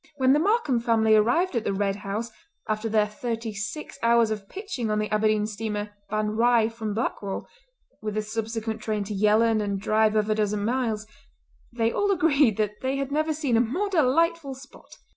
When the Markam family arrived at the Red House after their thirty six hours of pitching on the Aberdeen steamer Ban Righ from Blackwall, with the subsequent train to Yellon and drive of a dozen miles, they all agreed that they had never seen a more delightful spot.